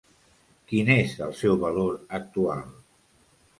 Quin és el seu valor actual?